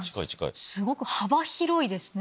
すごく幅広いですね。